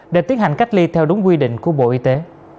để tiến hành cách ly theo đúng quy định của bộ y tế